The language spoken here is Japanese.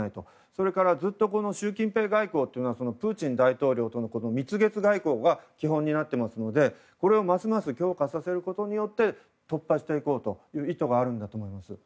それからずっと習近平外交というのはプーチン大統領との蜜月外交が基本になっていますのでこれを強化することによって突破していこうという意図があるんだと思います。